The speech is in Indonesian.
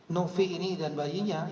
novi ini dan bayinya